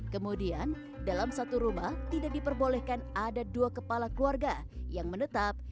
kemudian dalam satu rumah tidak diperbolehkan ada dua kepala keluarga yang menetap